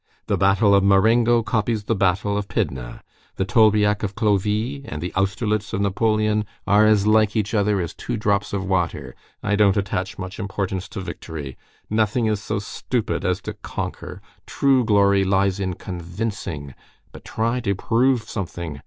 The battle of Marengo copies the battle of Pydna; the Tolbiac of Clovis and the Austerlitz of Napoleon are as like each other as two drops of water. I don't attach much importance to victory. Nothing is so stupid as to conquer; true glory lies in convincing. But try to prove something!